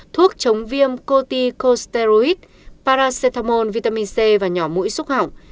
thuốc chống viêm coticosterid paracetamol vitamin c và nhỏ mũi xúc hỏng